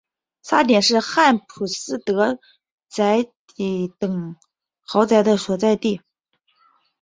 沙点是汉普斯德宅邸等豪宅的所在地。